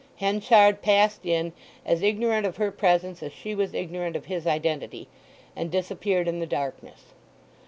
Henchard passed in, as ignorant of her presence as she was ignorant of his identity, and disappeared in the darkness.